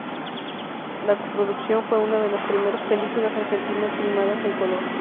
La co-producción fue una de las primeras películas argentinas filmadas en color.